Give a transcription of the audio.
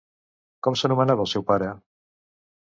Com s'anomenava el seu pare?